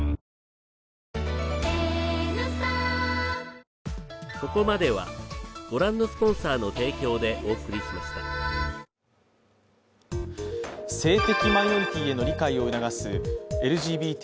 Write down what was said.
ニトリ性的マイノリティへの理解を促すＬＧＢＴ